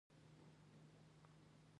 د افغانستان طبیعت له مېوې څخه جوړ شوی دی.